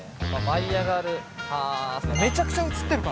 舞い上がる。